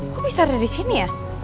kok bisa ada disini ya